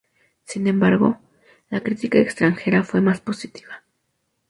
Sin embargo, la crítica extranjera fue más positiva.